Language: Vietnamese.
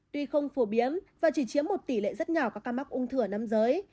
tuy không phổ biến và chỉ chiếm một tỷ lệ rất nhỏ các ca mắc ung thư ở năm giới